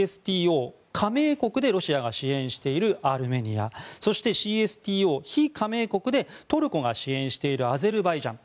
ＣＳＴＯ加盟国でロシアが支援しているアルメニアそしてＣＳＴＯ非加盟国でトルコが支援しているアゼルバイジャン